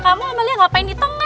kamu amelnya ngapain di tengah